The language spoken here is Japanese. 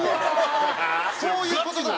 そういう事か。